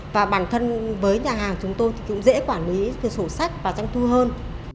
và bản thân với nhà hàng chúng tôi cũng dễ quản lý sổ sách và trang thu hơn